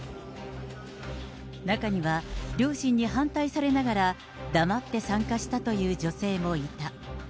中には、両親に反対されながら、黙って参加したという女性もいた。